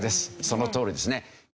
そのとおりですね。